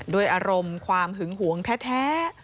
ด้วยอารมณ์ความหึงหวงแท้